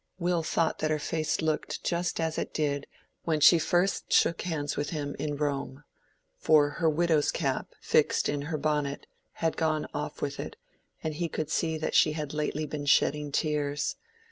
Will thought that her face looked just as it did when she first shook hands with him in Rome; for her widow's cap, fixed in her bonnet, had gone off with it, and he could see that she had lately been shedding tears.